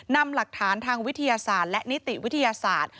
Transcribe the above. นำหลักฐานทางวิทยาศาสตร์และนิติวิทยาศาสตร์